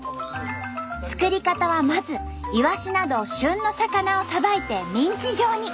作り方はまずいわしなど旬の魚をさばいてミンチ状に。